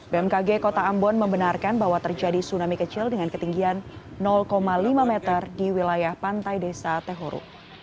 bmkg kota ambon membenarkan bahwa terjadi tsunami kecil dengan ketinggian lima meter di wilayah pantai desa tehoru